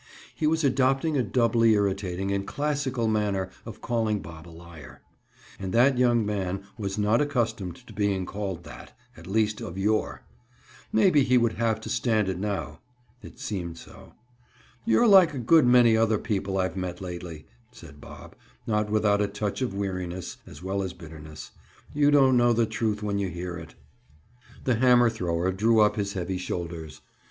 He was adopting a doubly irritating and classical manner of calling Bob a liar. And that young man was not accustomed to being called that—at least, of yore! Maybe he would have to stand it now. It seemed so. "You're like a good many other people I've met lately," said Bob, not without a touch of weariness as well as bitterness. "You don't know the truth when you hear it." The hammer thrower drew up his heavy shoulders.